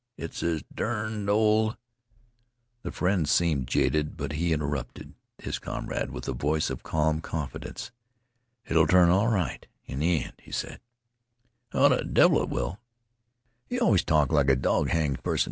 It's this derned old " The friend seemed jaded, but he interrupted his comrade with a voice of calm confidence. "It'll turn out all right in th' end," he said. "Oh, the devil it will! You always talk like a dog hanged parson.